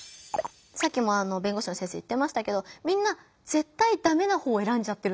さっきも弁護士の先生言ってましたけどみんなぜったいダメな方選んじゃってるんだよねって。